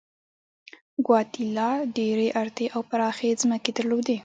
ګواتیلا ډېرې ارتې او پراخې ځمکې درلودلې.